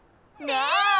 なあ！